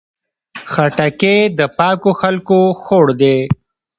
خټکی د پاکو خلکو خوړ دی.